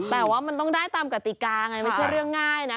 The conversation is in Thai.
แต่ว่ามันต้องได้ตามกติกาไงไม่ใช่เรื่องง่ายนะ